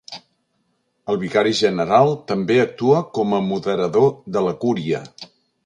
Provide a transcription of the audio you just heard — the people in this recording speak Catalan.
El vicari general, també actua com a moderador de la cúria.